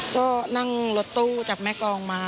ก็นั่งรถตู้จากแม่กองมา